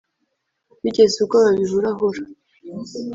bigeze ubwo babihurahura